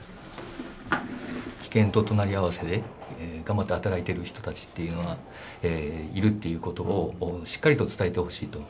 危険と隣り合わせで頑張って働いてる人たちっていうのがいるっていうことをしっかりと伝えてほしいと。